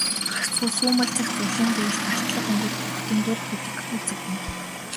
Гагцхүү сүүмэлзэх зулын гэрэлд алтлаг өнгөт бурхдын дүр бүдэгхэн үзэгдэнэ.